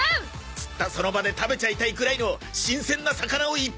釣ったその場で食べちゃいたいくらいの新鮮な魚をいっぱい釣ろう！